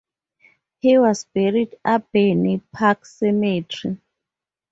He was buried at Abney Park Cemetery.